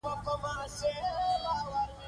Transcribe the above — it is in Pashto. شبکه شوي صفحه په ښکلي رنګونو ورنګوئ.